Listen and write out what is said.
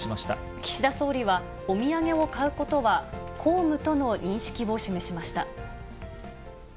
岸田総理は、お土産を買うことは、公務との認識を示しました。